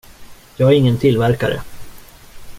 Jag är ingen tillverkare.